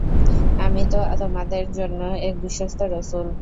আমি তো তোমাদের জন্যে এক বিশ্বস্ত রাসূল।